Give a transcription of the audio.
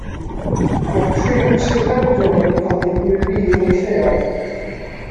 Mae criw yn Sir Benfro wedi codi dwy fil yn lleol.